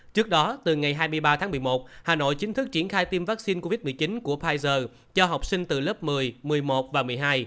trước đó từ ngày hai mươi ba tháng một mươi một hà nội chính thức triển khai tiêm vaccine covid một mươi chín của pfizer cho học sinh từ lớp một mươi một mươi một và một mươi hai